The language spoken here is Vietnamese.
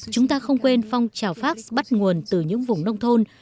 chúng ta không quên phong trào phát bắt nguồn từ những vùng nông thôn